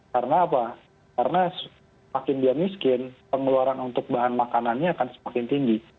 karena apa karena semakin dia miskin pengeluaran untuk bahan makanannya akan semakin tinggi